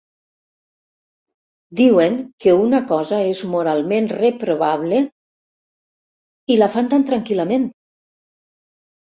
Diuen que una cosa és moralment reprovable i la fan tan tranquil·lament.